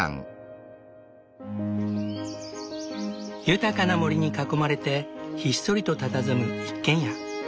豊かな森に囲まれてひっそりとたたずむ一軒家。